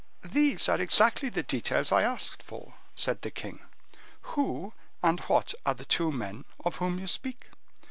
"These are exactly the details I asked for," said the king. "Who and what are the two men of whom you speak?"